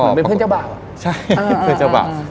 เหมือนเป็นเพื่อนเจ้าบ่าวอะ